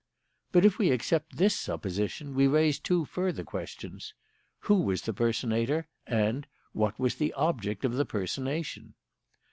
But if we accept this supposition, we raise two further questions: 'Who was the personator?' and 'What was the object of the personation?'